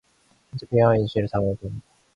현재 배경화면 이미지를 다운로드합니다